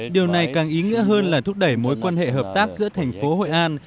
điều này càng ý nghĩa hơn là thúc đẩy mối quan hệ hợp tác giữa thành phố hội an